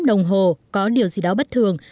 đồng hồ có điều gì đó bất thường